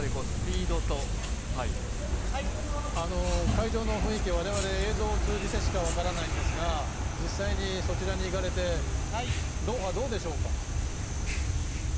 会場の雰囲気、我々映像を通じてしか分からないんですが実際にそちらに行かれてドーハ、どうでしょうか？